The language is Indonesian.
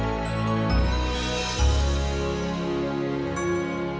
aku juga captain